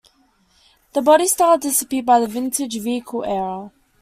The body style disappeared by the vintage vehicle era.